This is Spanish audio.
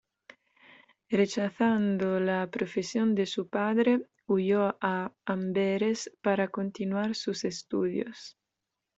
Rechazando la profesión de su padre, huyó a Amberes para continuar sus estudios.